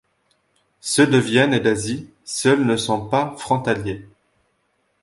Ceux de Vienne et d'Asie seuls ne sont pas frontaliers.